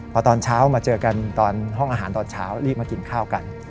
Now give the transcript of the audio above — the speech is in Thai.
พอตอนเช้ามาเจอกันตอนห้องอาหารตอนเช้ารีบมากินข้าวกัน